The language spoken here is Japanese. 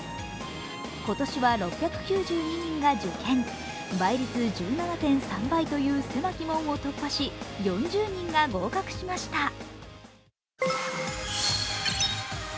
今年は６９２人が受験、倍率１７．３倍という狭き門を突破し４０人が合格しました。